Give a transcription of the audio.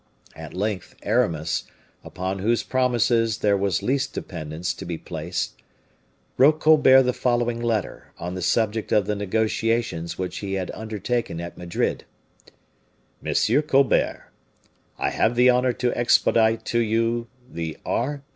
At length Aramis, upon whose promises there was least dependence to be placed, wrote Colbert the following letter, on the subject of the negotiations which he had undertaken at Madrid: "MONSIEUR COLBERT, I have the honor to expedite to you the R.